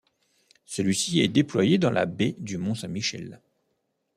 Celui-ci est déployé dans la baie du Mont Saint Michel.